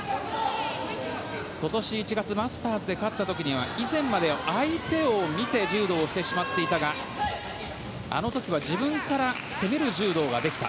今年１月マスターズで勝った時には以前まで、相手を見て柔道をしてしまっていたがあの時は自分から攻める柔道ができた。